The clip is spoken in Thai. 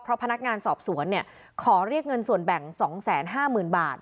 เพราะพนักงานสอบสวนขอเรียกเงินส่วนแบ่ง๒๕๐๐๐บาท